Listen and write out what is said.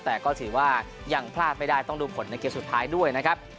แต่ก็ถือว่ายังพลาดไม่ได้ต้องดูผลในเกมสุดท้ายด้วยนะครับ